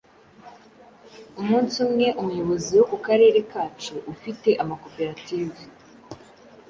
Umunsi umwe, umuyobozi wo ku Karere kacu ufite amakoperative